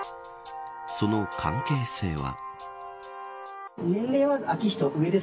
その関係性は。